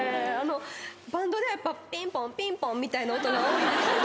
バンドでは「ピンポンピンポン」みたいな音が多いですので。